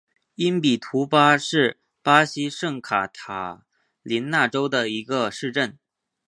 因比图巴是巴西圣卡塔琳娜州的一个市镇。